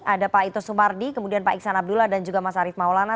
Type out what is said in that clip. ada pak ito sumardi kemudian pak iksan abdullah dan juga mas arief maulana